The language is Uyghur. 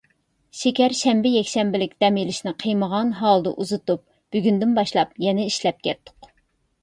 شېكەر شەنبە، يەكشەنبىلىك دەم ئېلىشنى قىيمىغان ھالدا ئۇزىتىپ، بۈگۈندىن باشلاپ يەنە ئىشلەپ كەتتۇق.